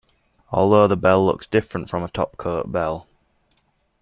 Although the bell looks different from a topcoat bell.